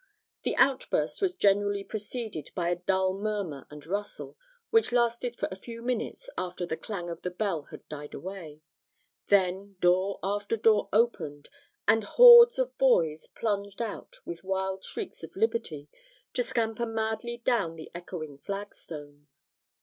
The outburst was generally preceded by a dull murmur and rustle, which lasted for a few minutes after the clang of the bell had died away then door after door opened and hordes of boys plunged out with wild shrieks of liberty, to scamper madly down the echoing flagstones.